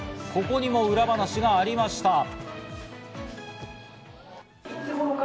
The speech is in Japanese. ここにも裏話がありました。